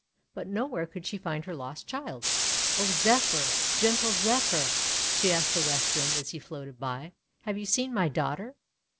But nowhere could she find her lost child ! "O Zephyr! Gentle Zephyr!' she asked the West Wind as he floated by, "have you seen my daughter?'